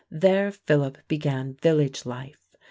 There Philip began village life.